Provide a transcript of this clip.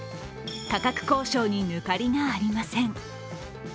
価格交渉に抜かりがありません。